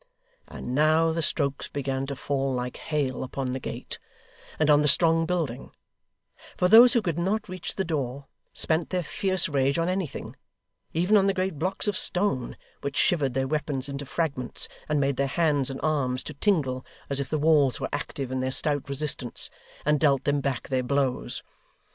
And now the strokes began to fall like hail upon the gate, and on the strong building; for those who could not reach the door, spent their fierce rage on anything even on the great blocks of stone, which shivered their weapons into fragments, and made their hands and arms to tingle as if the walls were active in their stout resistance, and dealt them back their blows.